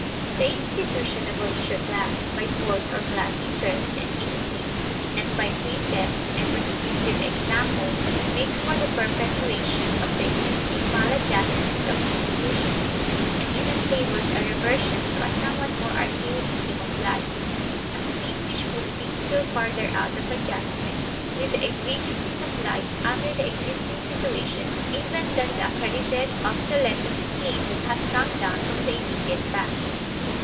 The institution of a leisure class, by force or class interest and instinct, and by precept and prescriptive example, makes for the perpetuation of the existing maladjustment of institutions, and even favors a reversion to a somewhat more archaic scheme of life; a scheme which would be still farther out of adjustment with the exigencies of life under the existing situation even than the accredited, obsolescent scheme that has come down from the immediate past.